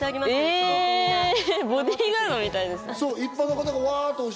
ボディガードみたいですね。